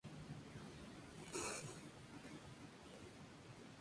Actualmente se promueve además el turismo interno, de sus lugares exóticos.